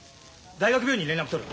大学病院に連絡取る。